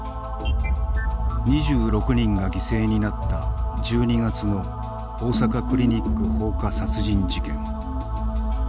２６人が犠牲になった１２月の大阪クリニック放火殺人事件。